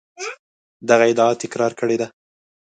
دغه ادعا تکرار کړې ده.